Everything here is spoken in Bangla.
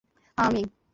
হ্যা, আমিই।